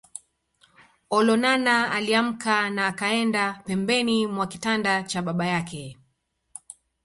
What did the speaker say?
Olonana aliamka na akaenda pembeni mwa kitanda cha baba yake